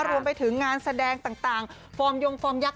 รวมไปถึงงานแสดงต่างฟอร์มยงฟอร์มยักษ